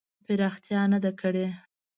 پراختیا نه ده کړې.